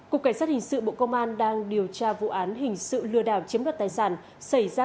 cục cảnh sát hình sự bộ công an đang điều tra vụ án hình sự lừa đảo chiếm đoạt tài sản xảy ra